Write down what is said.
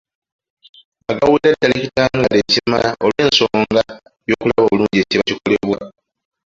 Agaweera ddala ekitangaala ekimala olw’ensonga y’okulaba obulungi ekiba kikolebwa.